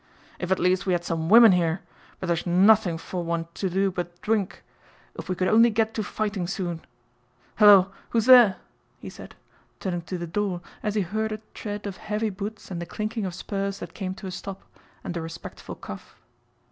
"If at least we had some women here; but there's nothing foh one to do but dwink. If we could only get to fighting soon. Hullo, who's there?" he said, turning to the door as he heard a tread of heavy boots and the clinking of spurs that came to a stop, and a respectful cough.